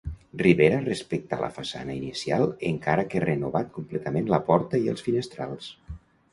Ribera respectar la façana inicial encara que renovat completament la porta i els finestrals.